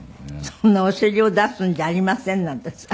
「そんなお尻を出すんじゃありません」なんてさ。